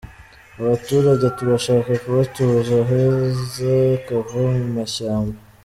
Abaturage turashaka kubatuza aheza, bakava mu mashyamba.